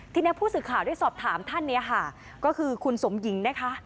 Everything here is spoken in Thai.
ทีนี้ผู้สื่อข่าวได้สอบถามท่านเนี่ยค่ะก็คือคุณสมหญิงนะคะ